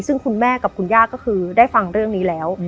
ซึ่งคุณแม่กับคุณย่าก็คือได้ฟังเรื่องนี้แล้ว